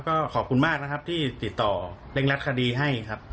ก็ขอบคุณมากนะครับที่ติดต่อเร่งรัดคดีให้ครับ